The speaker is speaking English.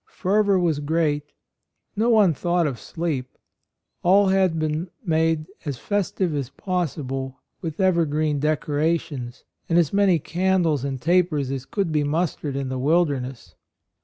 Fervor was great : no one thought of sleep ; all had been made as festive as possible with evergreen decora tions and as many candles and tapers as could be mustered in the wilderness.